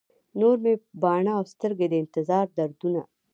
نور مې باڼه او سترګي، د انتظار دردونه